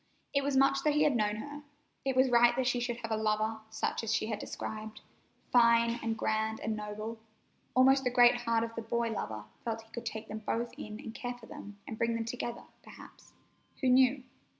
It was much that he had known her. It was right that she should have a lover such as she had described—"fine and grand and noble." Almost the great heart of the boy lover felt he could take them both in and care for them, and bring them together, perhaps—who knew?